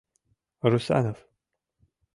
— Русанов!